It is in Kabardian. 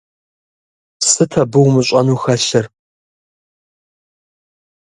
Сыт абы умыщӀэну хэлъыр?!